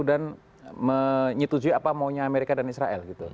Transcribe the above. dan menyetujui apa maunya amerika dan israel